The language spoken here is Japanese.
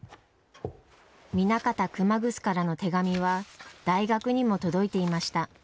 南方熊楠からの手紙は大学にも届いていました。